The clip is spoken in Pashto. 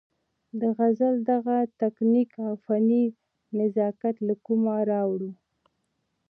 د غزل دغه تکنيک او فني نزاکت له کومه راوړو-